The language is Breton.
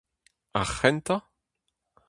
Ar c'hentañ ?